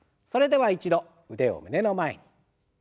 それでは一度腕を胸の前に。